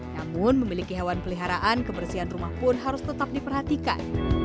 namun memiliki hewan peliharaan kebersihan rumah pun harus tetap diperhatikan